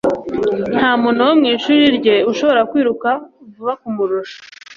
Nta muntu wo mu ishuri rye ushobora kwiruka vuba kumurusha